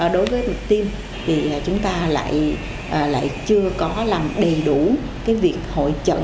đối với bệnh tim chúng ta lại chưa có làm đầy đủ việc hội chẩn